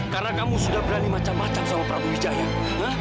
karena kamu sudah berani macam macam sama rabu wijaya